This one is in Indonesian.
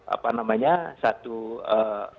apa namanya satu kerja yang transportasi